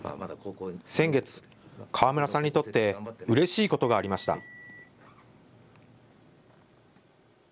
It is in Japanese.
先月、河村さんにとってうれしいことがありました。